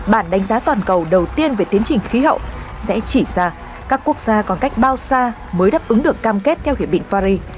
bản đánh giá toàn cầu đầu tiên về tiến trình khí hậu sẽ chỉ ra các quốc gia còn cách bao xa mới đáp ứng được cam kết theo hiệp định paris